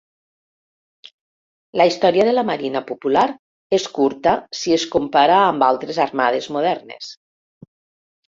La història de la Marina Popular és curta si es compara amb altres armades modernes.